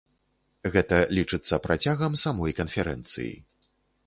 Гэта лічыцца працягам самой канферэнцыі.